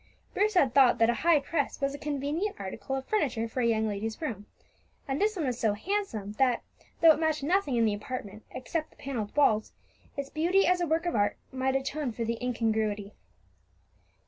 Bruce had thought that a high press was a convenient article of furniture for a young lady's room; and this one was so handsome that, though it matched nothing in the apartment except the panelled walls, its beauty as a work of art might atone for the incongruity.